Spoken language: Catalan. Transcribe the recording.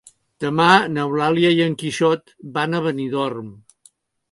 Demà n'Eulàlia i en Quixot van a Benidorm.